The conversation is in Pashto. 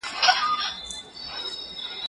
د سرزورۍ انجام دې وليد؟